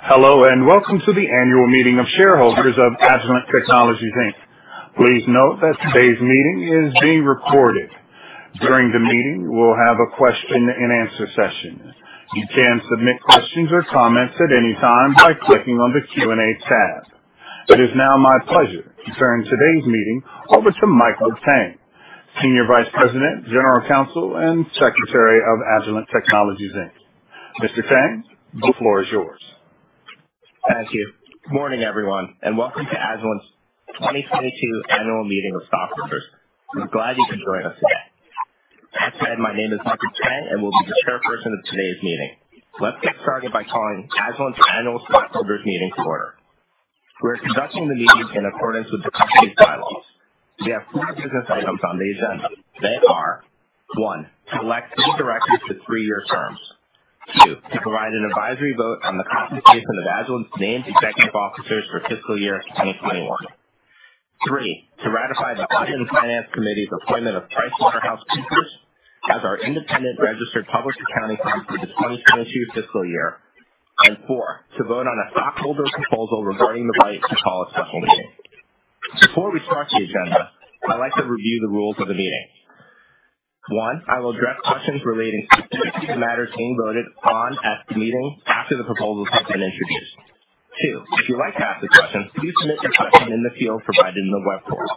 Hello, and welcome to the annual meeting of shareholders of Agilent Technologies, Inc. Please note that today's meeting is being recorded. During the meeting, we'll have a question and answer session. You can submit questions or comments at any time by clicking on the Q&A tab. It is now my pleasure to turn today's meeting over to Michael Tang, Senior Vice President, General Counsel, and Secretary of Agilent Technologies, Inc. Mr. Tang, the floor is yours. Thank you. Good morning, everyone, and Welcome to Agilent 2022 annual meeting of stockholders. I'm glad you could join us today. My name is Michael Tang, and I will be the chairperson of today's meeting. Let's get started by calling Agilent annual stockholders meeting to order. We're conducting the meeting in accordance with the company's bylaws. We have four business items on the agenda. They are: one, [to elect the directors to three-year terms; two, to provide an advisory vote on the compensation of Agilent Technologies' named executive officers for fiscal year 2021]; three, to ratify the Audit and Finance Committee's appointment of PricewaterhouseCoopers as our independent registered public accounting firm for the 2022 fiscal year; and four, to vote on a stockholder proposal regarding the right to call a special meeting. Before we start the agenda, I'd like to review the rules of the meeting. One, I will address questions relating specifically to matters being voted on at the meeting after the proposals have been introduced. Two, if you'd like to ask a question, please submit your question in the field provided in the web form.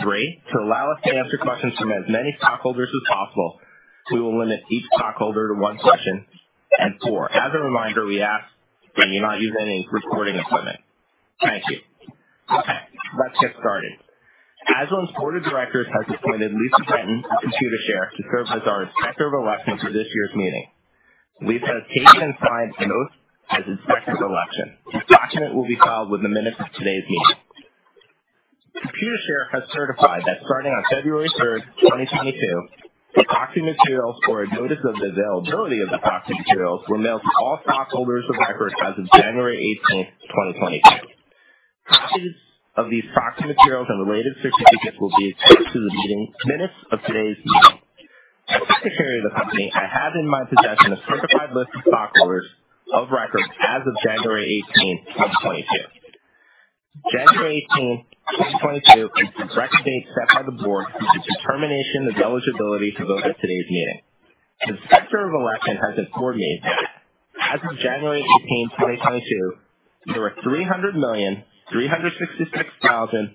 Three, to allow us to answer questions from as many stockholders as possible, we will limit each stockholder to one question. Four, as a reminder, we ask that you not use any recording equipment. Thank you. Okay, let's get started. Agilent Board of Directors has appointed Lisa Brenten, a computer chair, to serve as our Inspector of Election for this year's meeting. Lisa has taken and signed notes as Inspector of Election. This document will be filed within minutes of today's meeting. The computer chair has certified that starting on February 3, 2022, the proxy materials or a notice of the availability of the proxy materials were mailed to all stockholders of record as of January 18, 2022. Copies of these proxy materials and related certificates will be attached to the meeting minutes of today's meeting. As the Secretary of the company, I have in my possession a certified list of stockholders of record as of January 18, 2022. January 18, 2022, is the correct date set by the Board for the determination of eligibility to vote at today's meeting. The Inspector of Election has informed me that as of January 18, 2022, there were 300,366,110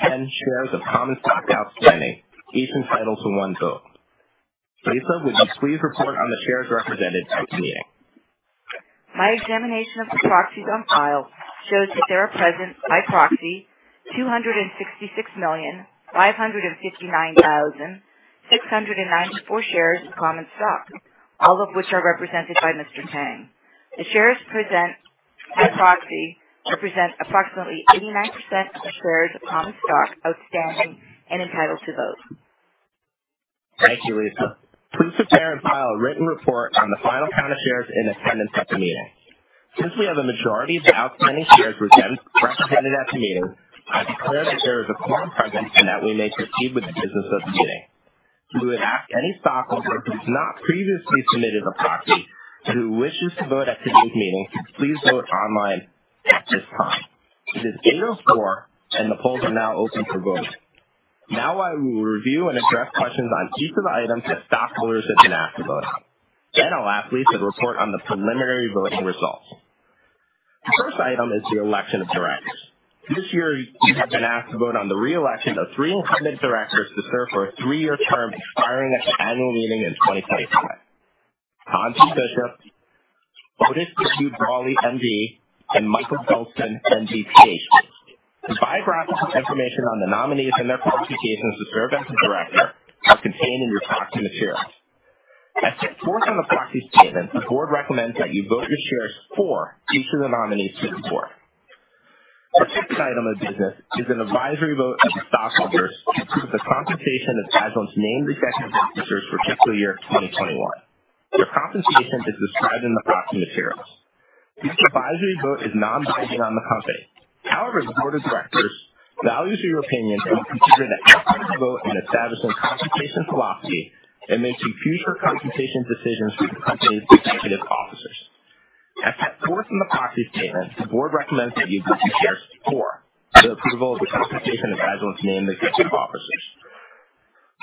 shares of common stock outstanding, each entitled to one vote. Lisa, would you please report on the shares represented at the meeting? My examination of the proxies on file shows that there are present, by proxy, 266,559,694 shares of common stock, all of which are represented by Mr. Tang. The shares present, by proxy, represent approximately 89% of the shares of common stock outstanding and entitled to vote. Thank you, Lisa. Please prepare and file a written report on the final count of shares in attendance at the meeting. Since we have a majority of the outstanding shares represented at the meeting, I declare that there is a quorum present and that we may proceed with the business of the meeting. We would ask any stockholder who's not previously submitted a proxy but who wishes to vote at today's meeting to please vote online at this time. It is 8:04 A.M. and the polls are now open for voting. Now I will review and address questions on each of the items that stockholders have been asked to vote on. I'll ask Lisa to report on the preliminary voting results. The first item is the election of directors. This year, you have been asked to vote on the re-election of three incumbent directors to serve for a three-year term expiring at the annual meeting in 2025: Hans E. Bishop, Otis W. Brawley, M.D., and Mikael Dolsten, M.D., Ph.D As set forth in the proxy statement, the board recommends that you vote your shares for the approval of the compensation of Agilent's named executive officers.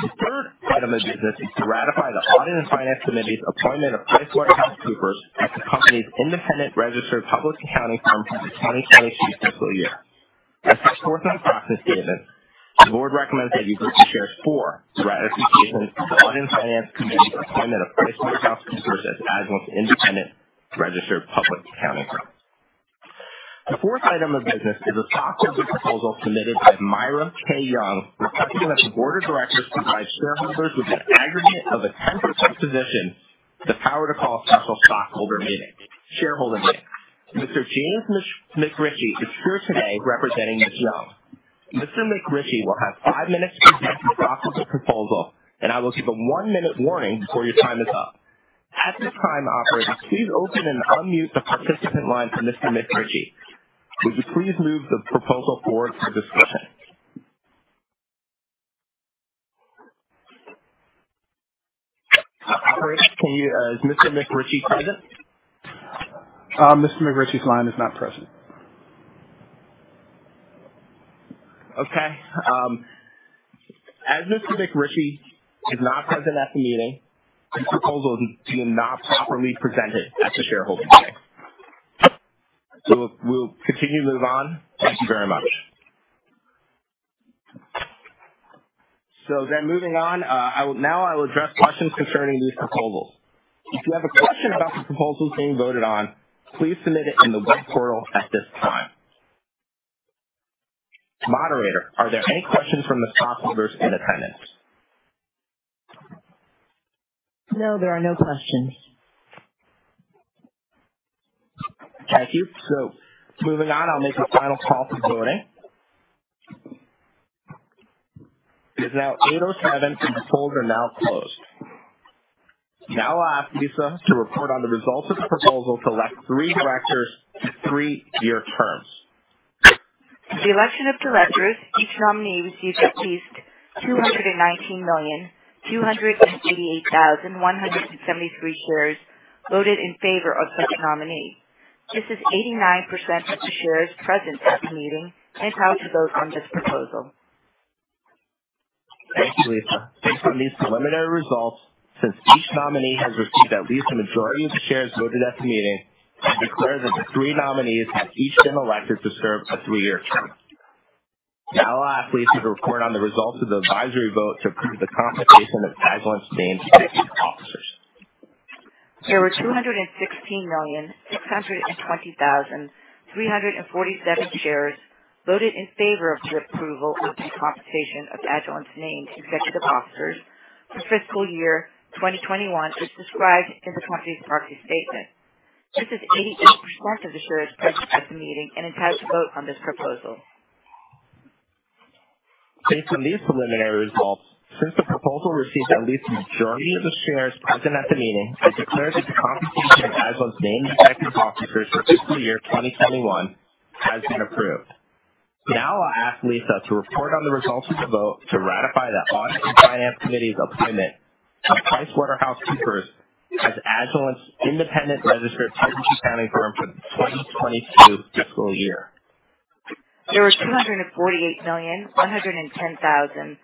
The third item of business is to ratify the audit and finance committee's appointment of PricewaterhouseCoopers as the company's independent registered public accounting firm for the 2022 fiscal year. As set forth in the proxy statement, the board recommends that you vote your shares for the ratification of the Audit and Finance committee's appointment of PricewaterhouseCoopers as Agilent's independent registered public accounting firm. The fourth item of business is a stockholder proposal submitted by Myra K. Young, requesting that the board of directors provide shareholders with an aggregate of a 10% position, the power to call a special stockholder meeting. Mr. James McRitchie is here today representing Ms. Young. Mr. McRitchie will have five minutes to present the stockholder proposal, and I will give a one-minute warning before your time is up. At this time, operators, please open and unmute the participant line for Mr. McRitchie. Would you please move the proposal forward for discussion? Operators, is Mr. McRitchie present? Mr. McRitchie's line is not present. Okay. As Mr. McRitchie is not present at the meeting, this proposal is not properly presented at the stockholder meeting. We'll continue to move on. Thank you very much. Moving on, now I will address questions concerning these proposals. If you have a question about the proposals being voted on, please submit it in the web portal at this time. Moderator, are there any questions from the stockholders in attendance? No, there are no questions. Thank you. Moving on, I'll make a final call for voting. It is now 8:07 A.M. The polls are now closed. Now I'll ask Lisa to report on the results of the proposal to elect three directors to three-year terms. The election of directors, each nominee received at least 219,288,173 shares voted in favor of such a nominee. This is 89% of the shares present at the meeting entitled to vote on this proposal. Thank you, Lisa. Based on these preliminary results, since each nominee has received at least a majority of the shares voted at the meeting, I declare that the three nominees have each been elected to serve a three-year term. Now I'll ask Lisa to report on the results of the advisory vote to approve the compensation of Agilent's named executive officers. There were 216,620,347 shares voted in favor of the approval of the compensation of Agilent's named executive officers for fiscal year 2021 as described in the company's proxy statement. This is 88% of the shares present at the meeting and entitled to vote on this proposal. Based on these preliminary results, since the proposal received at least a majority of the shares present at the meeting, I declare that the compensation of Agilent's named executive officers for fiscal year 2021 has been approved. Now I'll ask Lisa to report on the results of the vote to ratify the Audit and Finance Committee's appointment of PricewaterhouseCoopers as Agilent's independent registered public accounting firm for the 2022 fiscal year. There were 248,110,114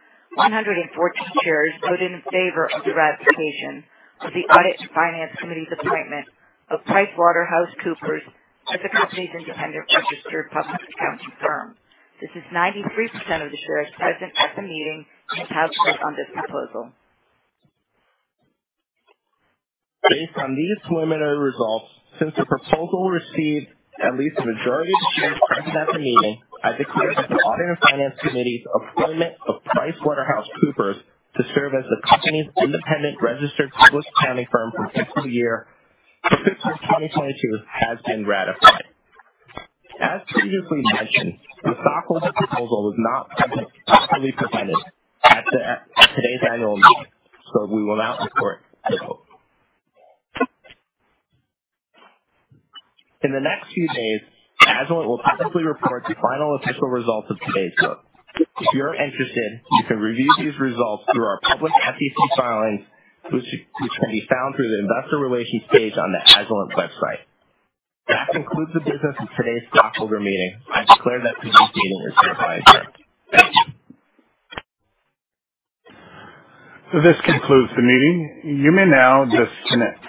shares voted in favor of the ratification of the Audit and Finance Committee's appointment of PricewaterhouseCoopers as the company's independent registered public accounting firm. This is 93% of the shares present at the meeting entitled to vote on this proposal. Based on these preliminary results, since the proposal received at least a majority of the shares present at the meeting, I declare that the Audit and Finance Committee's appointment of PricewaterhouseCoopers to serve as the company's independent registered public accounting firm for fiscal year 2022 has been ratified. As previously mentioned, the stockholder proposal was not properly presented at today's annual meeting, so we will not report the vote. In the next few days, Agilent will publicly report the final official results of today's vote. If you're interested, you can review these results through our public SEC filings, which can be found through the investor relations page on the Agilent website. That concludes the business of today's stockholder meeting. I declare that today's meeting is certified. This concludes the meeting. You may now disconnect.